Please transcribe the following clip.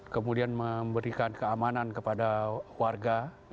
kemudian memberikan keamanan kepada warga